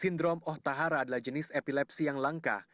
sindrom ohtahara adalah jenis epilepsi yang langka